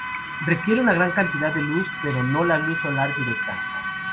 Requiere una gran cantidad de luz, pero no la luz solar directa.